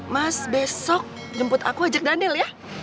mas besok jemput aku ajak daniel ya